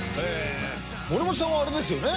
森本さんはあれですよね。